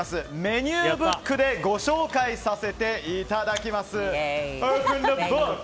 メニューブックでご紹介させていただきます。